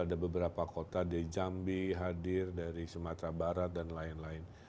ada beberapa kota di jambi hadir dari sumatera barat dan lain lain